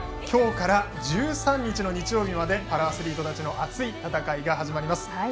今日から１３日の日曜日までパラアスリートたちの熱い戦いが始まります。